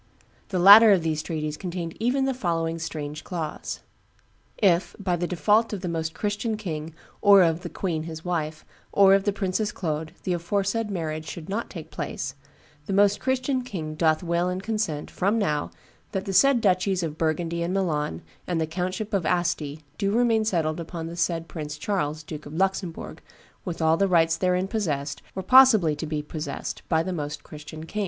The latter of these treaties contained even the following strange clause: "If, by default of the Most Christian king or of the queen his wife, or of the Princess Claude, the aforesaid marriage should not take place, the Most Christian king doth will and consent, from now, that the said duchies of Burgundy and Milan and the countship of Asti, do remain settled upon the said Prince Charles, Duke of Luxembourg, with all the rights therein possessed, or possibly to be possessed, by the Most Christian king."